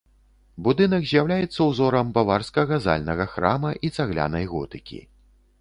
Будынак з'яўляецца ўзорам баварскага зальнага храма і цаглянай готыкі.